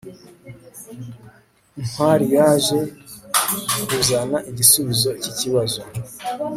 ntwali yaje kuzana igisubizo cyikibazo